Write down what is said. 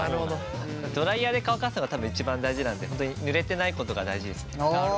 ドライヤーで乾かすのが多分一番大事なんで本当に濡れてないことが大事ですね。